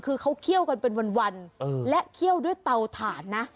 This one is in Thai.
คือเขาเคี่ยวกันเป็นวันและเคี่ยวด้วยเตาถ่านนะ